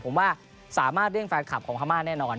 ผมว่าสามารถเรียกแฟนคลับของพม่าแน่นอน